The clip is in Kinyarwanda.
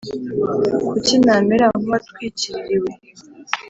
Kuki namera nk’uwatwikiririwe